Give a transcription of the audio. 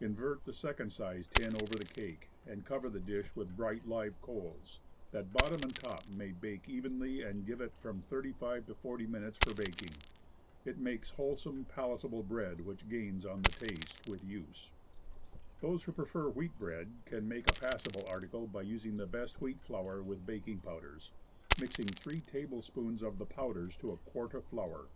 Invert the second sized tin over the cake, and cover the dish with bright live coals, that bottom and top may bake evenly, and give it from thirty five to forty minutes for baking. It makes wholesome, palatable bread, which gains on the taste with use. Those who prefer wheat bread can make a passable article by using the best wheat flour with baking powders, mixing three tablespoonfuls of the powders to a quart of flour.